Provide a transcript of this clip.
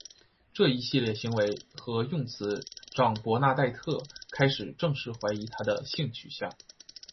这一系列行为和用词让伯纳黛特开始正式怀疑他的性取向。